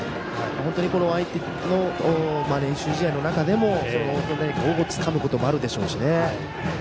本当に練習試合の中でも何かをつかむこともあるでしょうしね。